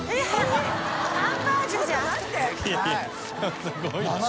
すごいな。